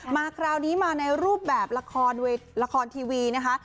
มาคราวนี้มาในรูปแบบละครละครทีวีนะคะ